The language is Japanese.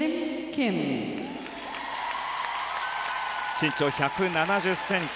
身長１７０ｃｍ。